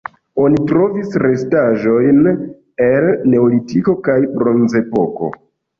Oni trovis restaĵojn el Neolitiko kaj Bronzepoko.